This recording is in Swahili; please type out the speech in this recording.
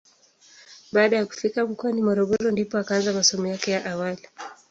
Baada ya kufika mkoani Morogoro ndipo akaanza masomo yake ya awali.